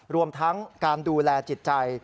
รวมทั้งการดูแลจิตใจ